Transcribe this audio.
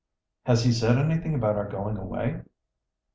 "Has he said anything about our going away?"